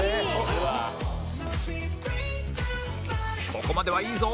ここまではいいぞ！